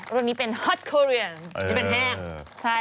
รสนี้เป็นฮอตต์โครียอล์